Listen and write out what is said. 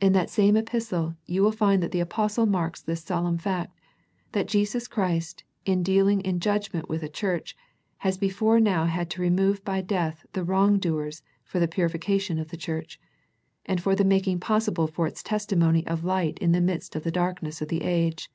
In that same epistle you will find that the apostle marks this solemn fact, that Jesus Christ, in dealing in judgment with a church, has before now had to remove by death the wrong doers for the purification of the church, and for the making possible for its testimony of light in the midst of the dark ness of the age.